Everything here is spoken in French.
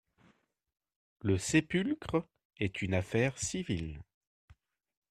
Le sépulcre est une affaire civile.